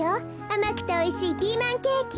あまくておいしいピーマンケーキ。